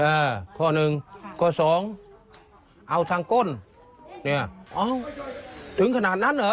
เออข้อหนึ่งข้อสองเอาทางก้นเนี่ยอ๋อถึงขนาดนั้นเหรอ